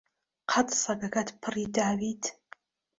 قەت سەگەکەت پڕی داویت؟